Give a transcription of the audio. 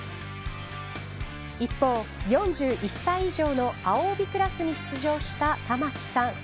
一方、４１歳以上の青帯クラスに出場した玉木さん